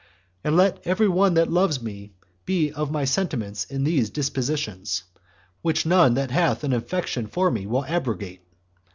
And let every one that loves me be of my sentiments in these dispositions, which none that hath an affection for me will abrogate.